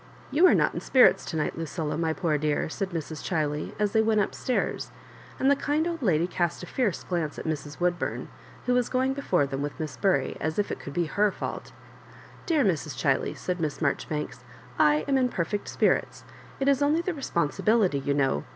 ^* You are not in spirits to night; Lucilla, my poo;r dear," said Mrs. Ghiley, as they went up stairs ; and the kind old lady cast a fierce glance at Mrs. 'Woodbum, who was going before them with Miss Bury, as if it could be her fault. *' Dear Mrs. Ghiley," said Miss Maijoribanks, " I am in perfect spirits ; it is oriiy the responsi bility, you know.